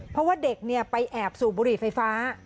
เพราะว่าเด็กไปแอบสูบบุหรี่ไฟฟ้า